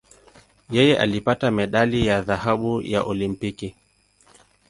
Yeye alipata medali ya dhahabu ya Olimpiki.